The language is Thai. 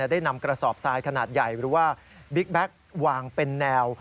ได้นำกระสอบทรายขนาดใหญ่หรือว่าบิ๊กแบ็ควางเป็นแนว